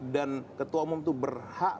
dan ketua umum itu berhak